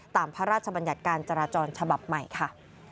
พระราชบัญญัติการจราจรฉบับใหม่ค่ะ